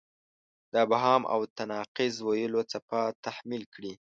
د ابهام او تناقض ویلو څپه تحمیل کړې.